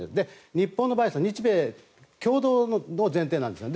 日本の場合は日米共同の前提なんです。